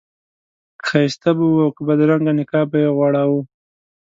که ښایسته به و او که بدرنګه نقاب به یې غوړاوه.